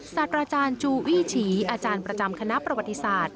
ศาสตราจารย์จูอี้ฉีอาจารย์ประจำคณะประวัติศาสตร์